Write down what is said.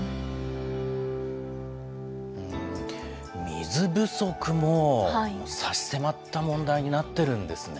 水不足も差し迫った問題になっているんですね。